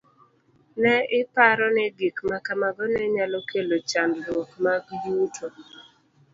Ne iparo ni gik ma kamago ne nyalo kelo chandruok mag yuto.